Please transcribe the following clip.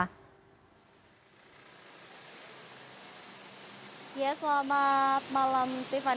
ya selamat malam tiffany